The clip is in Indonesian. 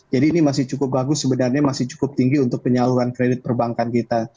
jadi ini masih cukup bagus sebenarnya masih cukup tinggi untuk penyaluran kredit perbankan kita